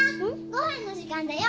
ご飯の時間だよ。